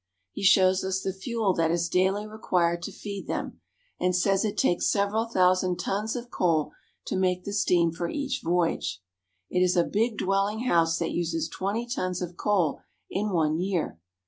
He shows us the fuel that is daily required to feed them, and says it takes several thousand tons of coal to make the steam for each voyage. It is a big dwelling house that uses twenty tons of coal in one year.